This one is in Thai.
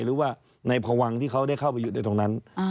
หรือว่าในพวังที่เขาได้เข้าไปอยู่ในตรงนั้น